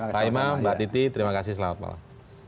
pak ima mbak titi terima kasih selamat malam